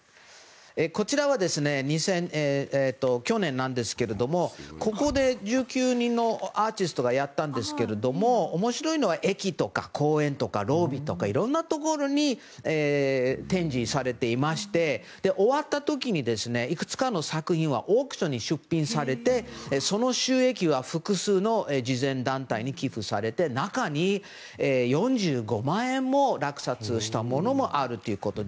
こちらは去年なんですけどここで１９人のアーティストがやったんですけど面白いのは駅とか公園とかロビーとかいろいろなところに展示されていまして終わった時に、いくつかの作品はオークションに出品されてその収益は複数の慈善団体に寄付されて、中には４５万円で落札されたものもあるということで。